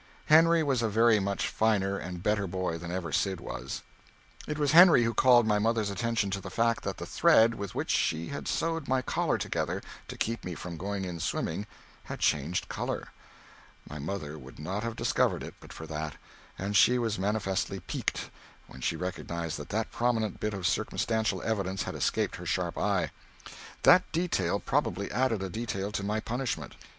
Henry was a very much finer and better boy than ever Sid was. It was Henry who called my mother's attention to the fact that the thread with which she had sewed my collar together to keep me from going in swimming, had changed color. My mother would not have discovered it but for that, and she was manifestly piqued when she recognized that that prominent bit of circumstantial evidence had escaped her sharp eye. That detail probably added a detail to my punishment.